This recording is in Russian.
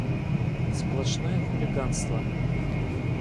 Сплошное хулиганство!